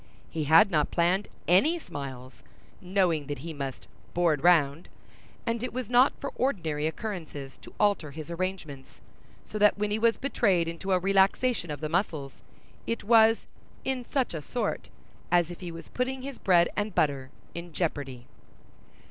He had not planned any smiles (knowing that he must "board round"), and it was not for ordinary occurrences to alter his arrangements; so that when he was betrayed into a relaxation of the muscles, it was "in such a sort" as if he was putting his bread and butter in jeopardy.